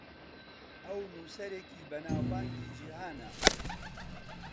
ئەو نووسەرێکی بەناوبانگی جیهانە.